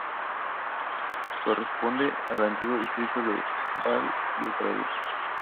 Corresponde al antiguo distrito de Val-de-Travers.